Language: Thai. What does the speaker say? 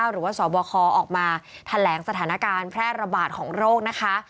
หรือว่าสบคออกมาแถลงสถานการณ์แพร่ระบาดของโรคนะคะ